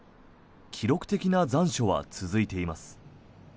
記録的な残暑は続いています。